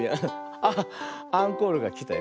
あっアンコールがきたよ。